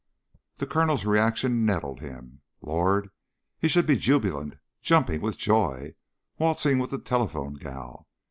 The Colonel's reaction nettled him. Lord, he should be jubilant ... jumping with joy ... waltzing the telephone gal.